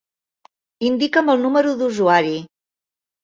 Indica'm el número d'usuari.